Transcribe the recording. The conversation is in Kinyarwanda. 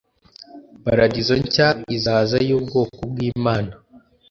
paradizo nshya izaza y ubwoko bw imana